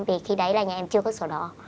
vì khi đấy là nhà em chưa có sổ đỏ